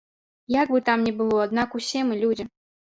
Як бы там не было, аднак усе мы людзі.